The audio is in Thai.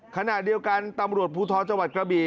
ขณะเดียวกันตำรวจภูทรจังหวัดกระบี่